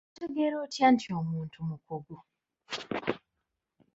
Otegeera otya nti omuntu mukugu?